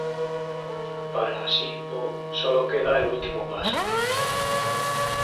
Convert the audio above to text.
Para Shi Po sólo queda el último paso.